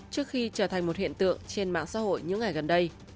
trước khi trở thành một hiện tượng trên mạng xã hội những ngày gần đây